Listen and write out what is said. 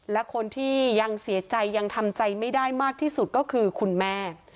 และคนที่ยังเสียใจยังทำใจไม่ได้มากที่สุดก็คือคุณแม่